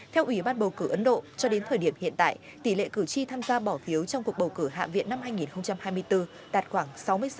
theo ủy ban bầu cử ấn độ cho đến thời điểm hiện tại tỷ lệ cử tri tham gia bỏ phiếu trong cuộc bầu cử hạ viện năm hai nghìn hai mươi bốn đạt khoảng sáu mươi sáu